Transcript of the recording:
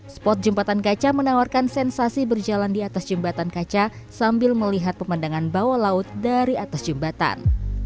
spot jembatan kaca menawarkan sensasi berjalan di atas jembatan kaca sambil melihat pemandangan bawah laut dari atas jembatan